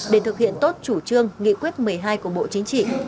để thực hiện tốt chủ trương nghị quyết một mươi hai của bộ chính trị